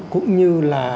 cũng như là